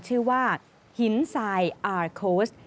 ชื่อว่าหินสายอาร์ดโคสต์